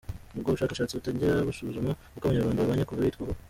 Ubwo bushakashatsi butangira busuzuma uko Abanyarwanda babanye kuva bitwa bo.